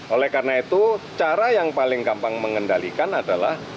oleh karena itu cara yang paling gampang mengendalikan adalah